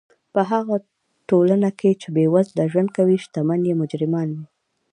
په هغه ټولنه کښي، چي بېوزله ژوند کوي، ښتمن ئې مجرمان يي.